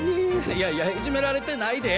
いやいやいじめられてないで。